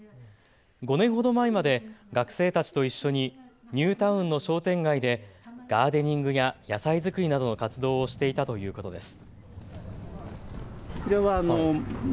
５年ほど前まで学生たちと一緒にニュータウンの商店街でガーデニングや野菜作りなどの活動をしていたということです。